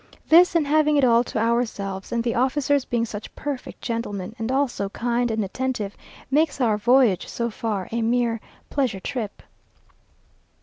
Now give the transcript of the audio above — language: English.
This, and having it all to ourselves, and the officers being such perfect gentlemen, and all so kind and attentive, makes our voyage so far a mere pleasure trip.